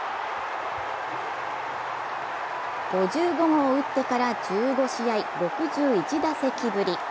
５５号を打ってから１５試合６１打席ぶり。